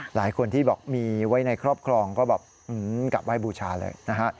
หลายคนที่บอกมีไว้ในครอบครองก็แบบกลับไห้บูชาเลยนะฮะ